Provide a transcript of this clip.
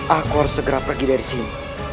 aku harus segera pergi dari sini